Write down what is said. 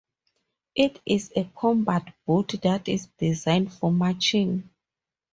It is a combat boot that is designed for marching.